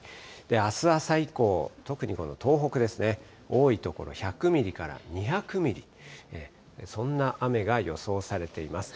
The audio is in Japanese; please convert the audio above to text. あす朝以降、特にこの東北ですね、多い所１００ミリから２００ミリ、そんな雨が予想されています。